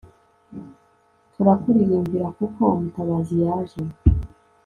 turakuririmbira, kuko umutabazi yaje